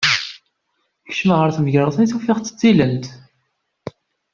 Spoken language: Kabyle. Kecmeɣ ɣer temkerḍit ufiɣ-tt d tilemt.